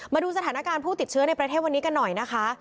มาดูสถานการณ์ผู้ติดเชื้อในประเทศวันนี้กันหน่อยนะคะ